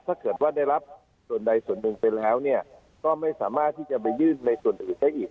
ถ้าเกิดว่าได้รับส่วนใดส่วนหนึ่งไปแล้วก็ไม่สามารถที่จะไปยื่นในส่วนอื่นได้อีก